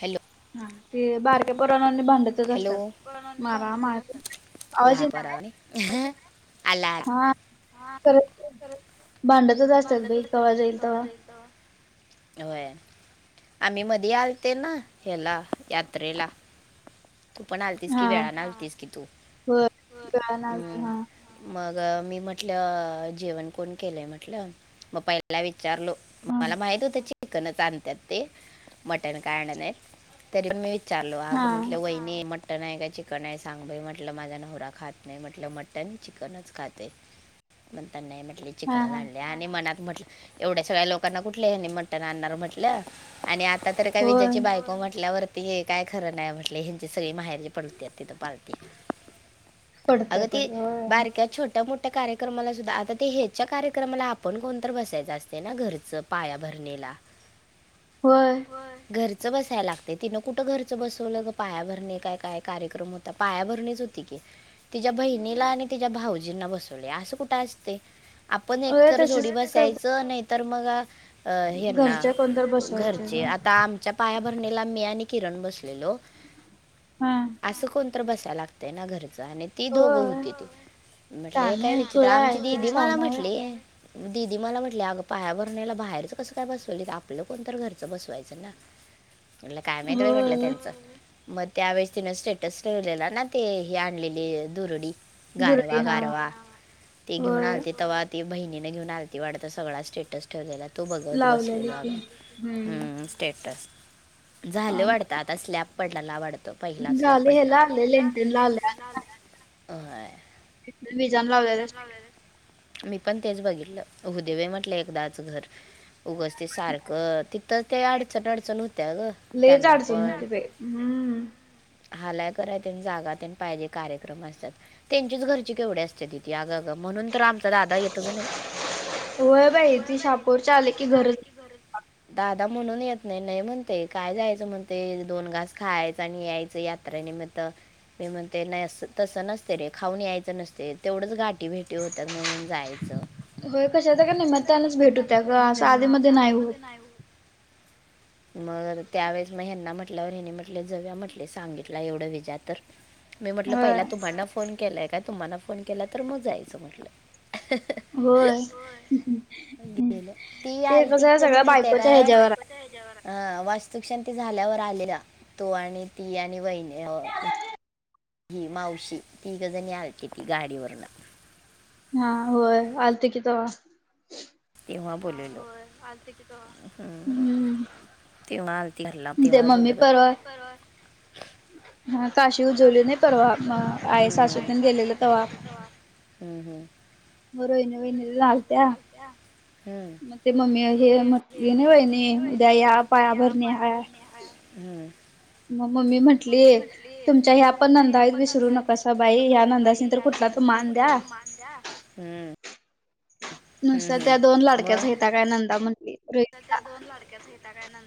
Hello हा ते बारक्या पुरानवानी भांडतच हॅलो असतात मारा मारी आवाज येत नाही. [unintelligible] हया [unintelligible] हा भांडतच असतात बाई कवा जाईल तेव्हा होय आम्ही मध्ये आलतेना ह्याला यात्रेला तू पण आलतीस की हा वेळा आलतीस की तु होय कळना हा हम्म मग मी म्हटलं जेवण कोण केलंय म्हटलं? मग पाहिला विचारलो? हा मला माहित होत चिकनच आणतात ते मटन काय आणत नाही तरी मी विचारलो हा आग म्हंटलं वहिनी मटन आहे का चिकन आहे सांग म्हटलं माझा न नवरा खात नाही म्हटलं मटन चिकनच खातोय तर नाही म्हटली हा चिकन हा आणले आणि मनात म्हटलं एवढ्या सगळ्या लोकांना कुठले हेनी मटण आणणार म्हटलं. आणि आता तर काय होय विजेची बायको म्हटल्यावर ते हे काय खरं नाही म्हटले ह्यांची सगळी माहेर जे पडते तिथं पाल्टी अगं ते पडत्यातच होय बारक्यात छोट्या मोठ्या कार्यक्रमाला सुद्धा आता ते हेच्या कार्यक्रमाला आपण कोणत बसायचं असते ना घरच पाया भरणीला. होय. घरच बसायला लागते तिनं कुठं घरचं बसवलं पायाभरणे काय काय कार्यक्रम होता पायाभरणीच. तिच्या बहिणीला आणि तिच्या भाऊजींना बसवले असं कुठं असते. आपण होय एकतर जोडी तसेच करतात बसायचं नाहीतर मग अ हे ना घरच्या कोणतर बसवायचे घरचे ग आता आमच्या पायाभरणीला मी आणि किरण बसलेलो हा असं कोण तर बसायला लागतं ना घरच आणि ती दोघं होय होती ती म्हटले शाने काय हाय विचित्र खुळा आमची हाय ते काय दिदी मला शहाणा हाय म्हटली. दिदी मला म्हटले अगं पाया भरण्यायला बाहेरच कसं काय बसवलं आपलं कोणत घरचं बसवायचं ना. म्हटलं काय व्हय माहीत म्हटलं होय त्यांच मग त्यावेेळे तिनं स्टेटस ठेवलेलं ना ते हे आणलेले दुरडी दुर्डी गारवा हा गारवा ते घेऊन होय आलते तेव्हा ती बहिणीने घेऊन आलती वाटतं सगळा स्टेटस ठेवलेला तो बघत लावलेली बसलेलो की आम्ही हम्म स्टेटस झालं वाटतं आता स्लॅब पडलाला आडत पहिला स्लॅब झाले पडला ह्याला आले लेंटेनला आले होय विजान तु लावलेल्या जनला वर [unintelligible] मी पण तेच बघितलं होऊदे बाई म्हटलं एकदाच घर उगच ते सारखं त तर ते अडचण अडचण होत्या ग. लईच त्यांना अडचण पण होती बाई हम्म हालाय करायला त्यां जागा ते त्यांचीच घरची केवढी असतेच अग अग म्हणून तर दादा येतच नाही होय बाई हो ती शापूरच्या शाहापूरची घरच आले की घर दादा म्हणून येत नाही नाही म्हणते काय जायचं म्हणते दोन घास खायचं आणि यायचं या याञे निमित्त हे म्हणते नाही असं तसं नसते रे खाऊन यायचं नसते तेवढंच गाठी गाडी भेटी होतात म्हणून जायचं. हो कशाच्या का नाही निमित्ताने भेट होती असं आधीमध्ये नाही होत. मग त्यावेळे मग ह्यांना म्हटल्यावर हिनी म्हटले जाऊया म्हटले सांगितला एवढं विजा तर मी म्हटलं होय पहिला तुम्हाना फोन केलाय का तुम्हाना फोन केला तर मग जायचं म्हटलं होय गेलं ती ते कसं आहे सगळ्या बायकोच्या ह्याच्यावर आहे हा वास्तुशांती ते झाल्यावर आलेला तो आणि ती आणि वहिणी ही मावशी ती ग जणी आलते ती गाडीवरन. हा होय आलती की थवा तेव्हा बोलल हम्म हम्म तेव्हा आती घरला ते तेव्हा बोल मम्मी परवा म्मी हा काशी उजवली नाही परवा आहे हम्म. सासुतीने गेलेलं तवा हम्म हम् म रोईने रईने लालत्या हम मम्मी म्हटली ना वहिणी मस्तीने होय उद्या या निज या पायाभरणी पाया हाय. भर हम् मग मम्मी म्हण कली तुमच्या ह्या पण नंदावीत विसरू नकासा बाई ह्या नंदानी तर कुठला तो मान द्या. हम्म हम्म, नुसत त्या दोन हम्म. लाडक्याचा हता काय नंदा म्हटली रोहित त्या दोन लडक्याचता काय न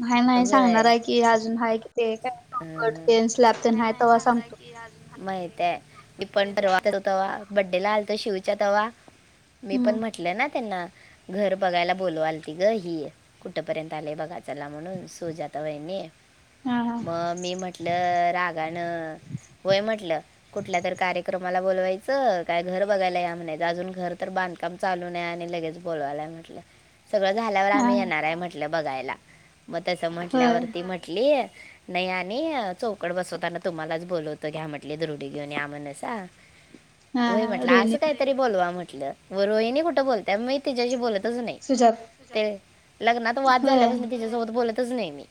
नाही नाही होय सांगणार आहे की अजून ह कि ते हं, हं. कायटते स्लॅब तेन हय तेव्हा सांगतो. हं. माहित आहे मी पण परवा करतो तवा्हा बड्डेला आलतो शिवच्या तवा्हा मी पण हम्म म्हटलं ना त्यांना घर बघायला बोलवाल त ग ही कुठंपर्यंत आले बघा चचाला म्हणून सुजाता वईनी. हा हा मग मी म्हटलं रागानं होय म्हटलं. कुठल्या तर कार्यक्रमाला बोलवायचं काय घर बघायला या म्हणे अजून घर तर बांध काम चालू नाय आणि लगेच बोलवायलाय म्हटलं. सगळं झाल्यावर हा आम्ही येणाराय म्हटलं बघायला म तसं होय म्हटल्यावरती म्हटली नई आणि चौकट बसवताना तुम्हालाच बोलवतो घ्या म्हटली दुरडी घ्युन या म्हणसा हा व्हय हा म्हटलं रोहिणी असं काहीतरी बोलवा म्हटलं वर वहिणी कुठं बोलत्या मी तिच्याशी बोलत सुजात लग्नात वाद होय झाल्यापासून तिच्यासोबत बोल नाही मी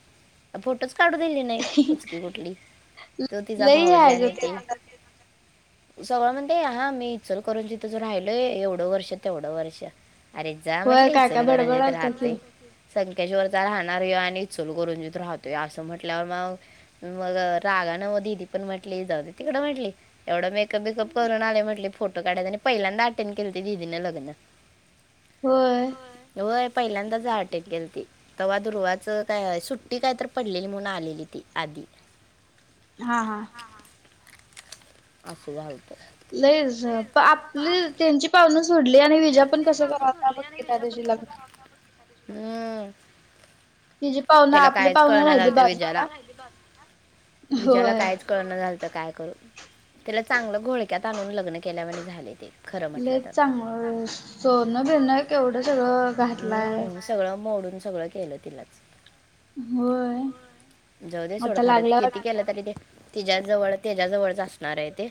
फोटोच काढ दिली नाही कुचकी कुठली तो तिचा लई भाऊ हाय ग ज्याने ते सगळं म्हणते हा मी इल करून तिथून राहिलोय एवढं वर्ष तेवढं वर्ष. अरे जा होय म्हटलंय काय काय इचलकरंजीत बडबडालता की राहते. संखेशवररता राहणार आणि इ चुल करून राहतोय अस त म्हंटल्यावर मग मग रागा न म दीदी पण म्हटली जाऊ तिकड म्हटली एवढं म [unintelligible] करून आले म्हटले फोटो काढाय आणि पहिल्यांदा अटेंड केलती दिदीनं लग्न. होय. व्हय पहिल्यांदाच अटेंट केलती तवा दुर्वाचं काय सुट्टी काय तर पडलेली म्हणून आलेली ती आधी. हा हा असं जालतं. लईच प आपली त्यांची पावनं सोडली आणि विजा पण कसं कराता बघे त्या दिवशी लग्ना हम तिची पाहुणं त्याला आपली कायच पाहुणं कळणा राहिली झालतं विजाला बाजूला विजाला होय. कायच कळणा झालतं काय करू त्याला चांगलं घोळक्यात आणून लग्न केल्यावानी झालंय ते खरं म्हटलं लेक तर चांगल सोनं बीनं केवढं सगळं घातलाय. हम्म, सगळं मोडून सगळं केलं तिलाच होय. जाऊ दे सोड आता खरं लागल्यावर किती केलं तरी ते तिझ्या जवळ त्याज्याजवळच असणारय ते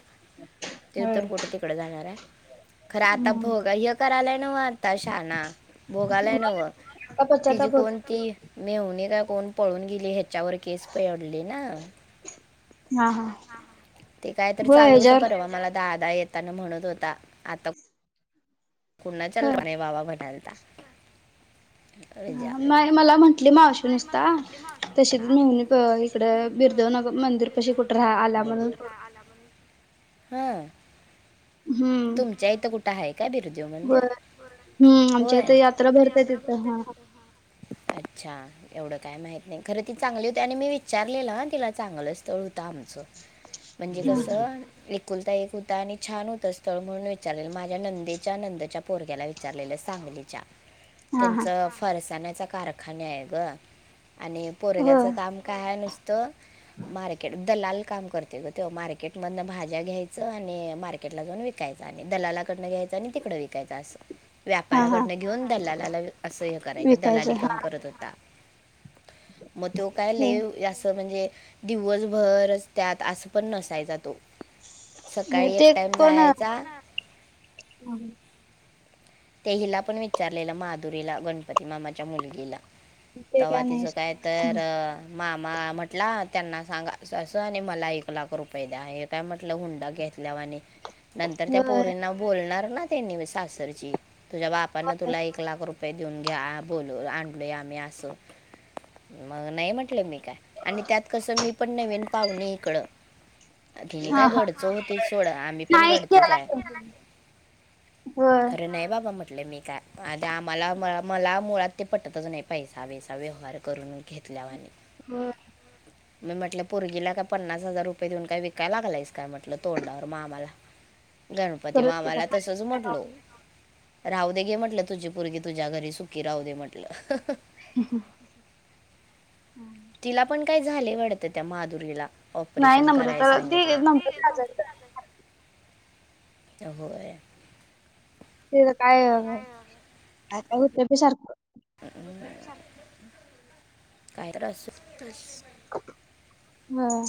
ते होय. तर कुट तिकडं जाणार हाय खरं आता हम्म भोगाय हे करायलाय नव्ह आता शाणा भोगायलाय नव्ह तिझी पश्चाताप कोण होतो. ती मेहुणी का कोण पळून गेली ह्याच्यावर केस पेयडली ना हा हा हा हा ते काय तर होय चालू हुतं ह्याच्यावर परवा मला दादा येताना म्हणत होता आता होय [unintelligible] बाबा भेटलता. हा नाय मला म्हटली मावशी नुसता तशीच मेहुणी कं इकडं बिरदेवनग मंदिरपशी कुटं राहा आल्या म्हणून हा हम्म तुमच्या इथं कुठं हाय काय बिरदेव मंदिर. होय. हम्म आमच्या होय इथ यात्रा भरत्या तिथं हा अच्छा एवढं काय माहित नाय खरं ती चांगली हुती आणि मी विचारलेलं ह तिला चांगलं स्थळ होत आमचं. म्हणजे कसं एकुलता एक हुता आणि छान होत असं स्थळ म्हणून विचारलेलं माझ्या नंदेच्या नंदच्या पोरग्याला विचारलेलं सांगलीच्या हा हा त्यांचं फरसाण्याचा कारखाना हाय ग आणि हो पोरग्याचं काम काय हाय नुसतं मार्केट दलाल काम करतोय ग त्यो मार्केट मधनं भाज्या घ्यायचं आणि मार्केटला जाऊन विक विकायचं आणि दलालाकडनं घ्यायचं आणि तिकडं विकायचं असं हा हा व्यापाराकडनं घेऊन दलालाला असं हे करायचं दलाली विकायचं हा काम करत होता. म त्यो काय हो लय असं म्हणजे दिवसभरच त्यात असं पण नसायचा तो सकाळी एक टाइम जाय हम त्या हीला पण विचारलेलं माधुरीला गणपती मामाच्या मुलगीला. ते तवा नाही तिझं काय तर अ मामा म्हटला त्यांना सांगा असं असं आणि मला एक लाख रुपये द्या. हाहेत. काय म्हटल हुंडा घेतल्यावाणी नंतर त्या होय पोरींना बोलणार ना त्यांनी सासरची, तुझ्या बापन तुला एक लाख रुप पये देवून घ्या बोलू आणलंय आम्ही असं मग नाही म्हटलं मी आणि त्यात कसं मी पण नवीन पाहुणी इकडं तिनी हा काय हा घडचं होतीत सोडं आम्ही पण नाही घडचंच केला हाय. होय खरं नाय बाप हो म्हटले मी काय ते आम्हाला मला मुळात ते पटतचं नाय पैसा बिसा व्यवहार करून घेतल्यावाणी. होय. मी म्हटलं पुरगीला का पन्नास हजार रुपये देऊन काय विकायला लागलायस का म्हटलं तोंडावर मामाला. [inaudible] गणपती परत तिथं मामाला काय- तसच म्हटलो. राहु दे गे म्हंटलं तुझी पुरगी तुझ्या घरी सुखी राहू दे म्हंटलं. हा ना तिला पण काय झालय वाडतं, त्या माधुरीला नाई ऑपरेशन करायला नम्रतला ते सांगितलं नम्रता आजारी होय. तिज काय, काय काय होतंय बाई सारखं. [unintelligible] काय तर असुदे व्हय.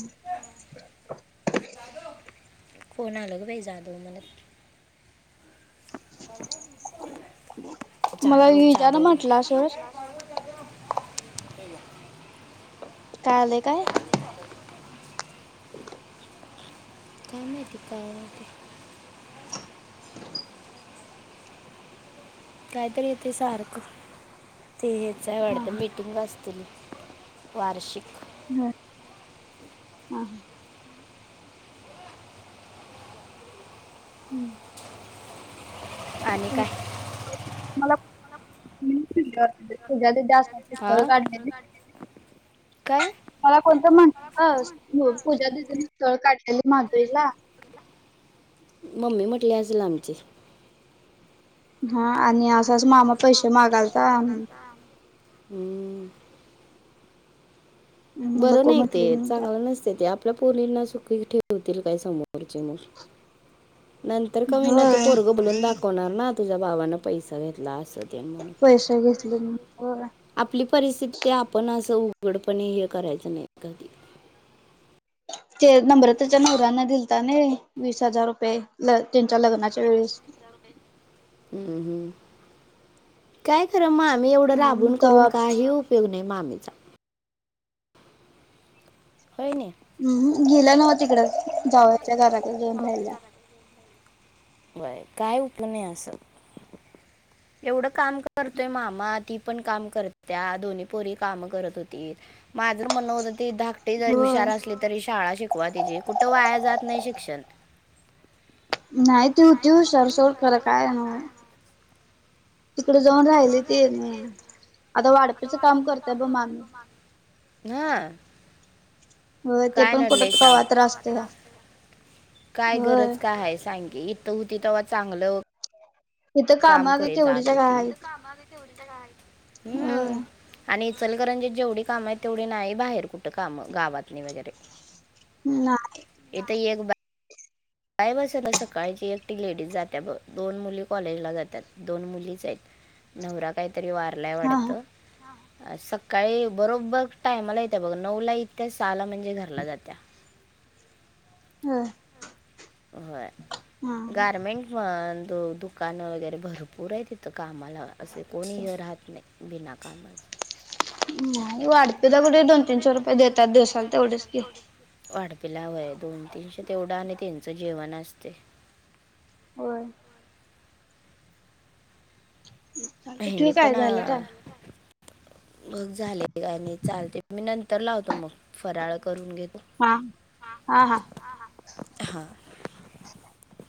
कोण आलं ग बाई, जाधव म्हणतं. मला जाधव विजा न जाधव म्हटला म्हणत सोड काय आलंय काय? [inaudible] काम माहिती काय ते. कायतर येतय सारखं, ते हेच हा वाडतं हा मी टिंग, असतील वार्षिक. हम, हा हा. हम्म. आणि काय? मला. [unintelligible] त्यास हा स्थळ काढलेली काय मला कोणतंर म्हटल, पूजा दिदिन स्थळ काढलेली माधुरीला मम्मी म्हटली असल आमची. हा, आणि असं असं मामा पैसे मागालत हंम. बरं नको नाही ते, म्हटले म्हणून चांगलं नसतय ते आपल्या पोरीना सुखी ठेवतील काय समोरचे, मग. नंतर का काढायला. होवीना ते होय पोरगं बोलून दाखवणार ना, तुझ्या भावानं पैसा घेतला असं. पैसे घेतले मी होय. आपली परिस्थिती आपण असं उघडपणे येत करायचं नाही कधी. ते नम्रतेच्या नवऱ्याना दिलता न्हाई वीस हजार रुपये. ल, त्यांच्या लग्नाच्या वेळेस. हं हंम, काय खर मामी एवढं हा मग राबून करून तवा काही उ उपयोग नाही माम्मीचा. होय नी. अहं, गेल्या नव्ह तिकड, जावच्या घराकड जाऊन राहील्या. होय, काय उपयोग नाही अस. [unintelligible] [inaudible] एवढं काम करतोय मामा, ती पण काम करत्या, दोन्ही पोरी काम करत होतीत. माझ म्हन होत ती धाकटे जरी होय हुशार असली तरी शाळा शिकवा तिचीे, कुठं वाया जात नाही शिक्षण. नाही ती हुती हुशार सोड, खर काय तिकडे जाऊन राहिलीती, आता वाडपीच काम करताय ब मामी. हं होय ते काय पण कुठ नडलय सांग, कवा तर असतया काय होय. गरज काय हाय सांग इथं होती तेव्हा चांगलं तिथं काम कामाग करे जात केवढीच्या काय होती, इत हाईत कामाला तेवडी तर हा होय. आणि इचलकंरजीत जेवढी काम हायीत, तेवढी नाही बाहेर कुठं काम गावातणी वगैरे. नाही इता एक काही वा असना सकाळची एकटीलेडीज जाते ब दोन मुली कॉलेजला जातात. दोन मुलीच आहेत नवरा काहीतरी वारलाय हा वाढत. सकाळी बरोबर टायमाला येत्या बघ नऊ ला येत्या सहाला म्हणजे घरला जात्या. हम होय गारमेंट, दुकान वगैरे भरपूर आहे तिथं कामाला असे कोणी हे राहत नाही बिना कामा नाही वाढपे द कुठे दोन तीनशे रुपये देतात दिवसाला तेवढेच की, वाढपिलावय दोन तीनशे तेवढं आणि त्यांचं जेवण असते. व्हय ठेव काय झालं का? मघ झाले का नाही चालते मी नंतर लावतो मग फराळ करून घेतो. हा हा हा हां [inaudible]